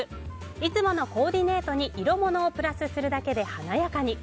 いつものコーディネートに色物をプラスするだけで華やかに。